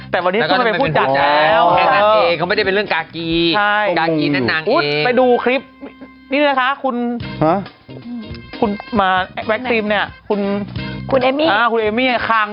ตอนย์กี่โมง